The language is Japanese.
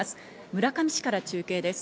村上市から中継です。